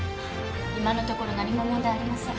今のところ何も問題ありません。